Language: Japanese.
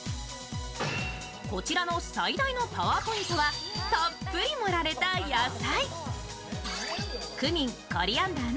こちらの最大のパワーポイントはたっぷり盛られた野菜。